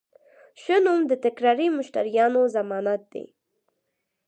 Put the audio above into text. ښه نوم د تکراري مشتریانو ضمانت دی.